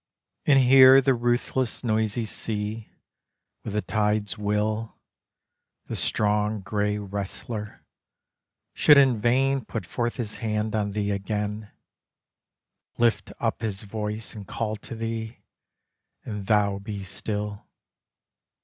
And here the ruthless noisy sea, With the tide's will, The strong gray wrestler, should in vain Put forth his hand on thee again Lift up his voice and call to thee, And thou be still.